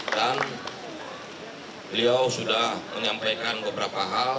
dan beliau sudah menyampaikan beberapa hal